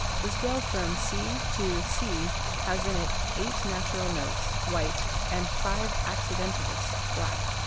The scale from C to C has in it eight natural notes (white) and five "accidentals" (black).